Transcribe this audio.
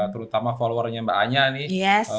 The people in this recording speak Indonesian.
terutama followernya mbak anya nih